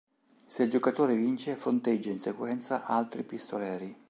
Se il giocatore vince, fronteggia in sequenza altri pistoleri.